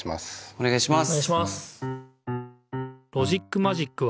おねがいします。